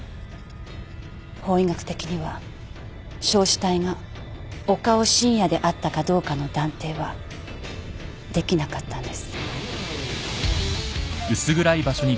法医学的には焼死体が岡尾芯也であったかどうかの断定はできなかったんです。